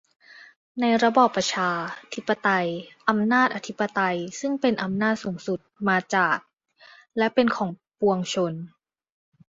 ในระบอบประชา-ธิปไตย อำนาจอธิปไตยซึ่งเป็นอำนาจสูงสุดมาจากและเป็นของปวงชน